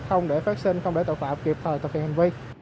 không để phát sinh không để tội phạm kịp thời tập trung hành vi